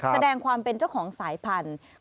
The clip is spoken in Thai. แสดงความเป็นเจ้าของสายพันธุ์